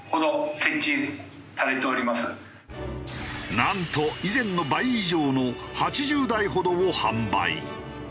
なんと以前の倍以上の８０台ほどを販売。